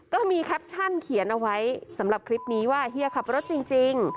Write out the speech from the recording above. ก็มีแคปชั่นเขียนเอาไว้สำหรับคลิปนี้ว่าเฮียขับรถจริง